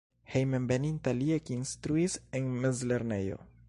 Hejmenveninta li ekinstruis en mezlernejo.